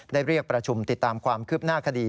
เรียกประชุมติดตามความคืบหน้าคดี